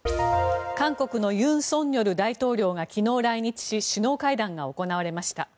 韓国の尹錫悦大統領が昨日来日し首脳会談が行われました。